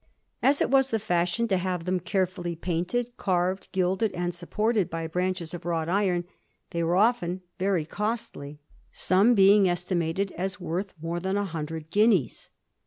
As it was the fashion to have them carefully painted, carved, gilded, and supported by branches of wrought iron, they were often very costly, some being estimated as worth more than a hundred guineas.